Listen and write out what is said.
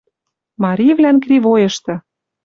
«Маривлӓн кривойышты